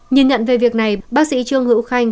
nhìn nhận về việc này bác sĩ trương hữu khanh